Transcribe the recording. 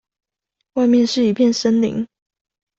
外面是一片森林